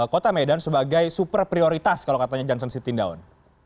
kota medan sebagai super prioritas kalau katanya jansen sitting down